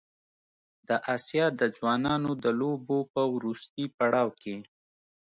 د اسیا د ځوانانو د لوبو په وروستي پړاو کې